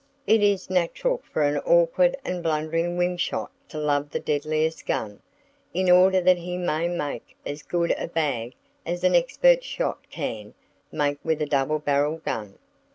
It is natural for an awkward and blundering wing shot to love the deadliest gun, in order that he may make as good a bag as an expert shot can make with a double barreled gun.